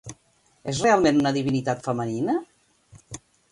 És realment una divinitat femenina?